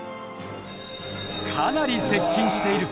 かなり接近している。